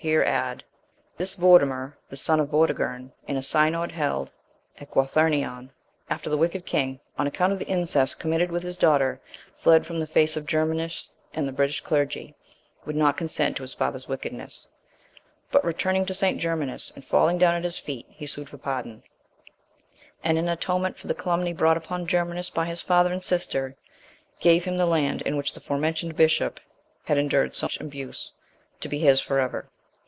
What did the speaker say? here add, "This Vortimer, the son of Vortigern, in a synod held at Guartherniaun, after the wicked king, on account of the incest committed with his daughter, fled from the face of Germanus and the British clergy, would not consent to his father's wickedness; but returning to St. Germanus, and falling down at his feet, he sued for pardon; and in atonement for the calumny brought upon Germanus by his father and sister, gave him the land, in which the forementioned bishop had endured such abuse, to be his for ever.